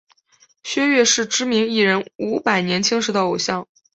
薛岳是知名艺人伍佰年轻时的偶像。